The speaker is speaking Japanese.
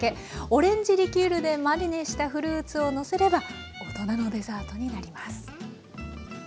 オレンジリキュールでマリネしたフルーツをのせれば大人のデザートになります。